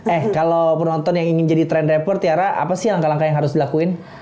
eh kalau penonton yang ingin jadi trend report tiara apa sih langkah langkah yang harus dilakuin